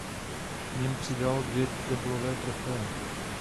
K nim přidal dvě deblové trofeje.